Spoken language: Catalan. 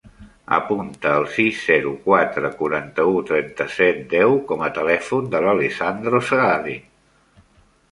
Apunta el sis, zero, quatre, quaranta-u, trenta-set, deu com a telèfon de l'Alessandro Segade.